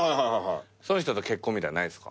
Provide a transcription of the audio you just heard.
その人と結婚みたいなのないんすか？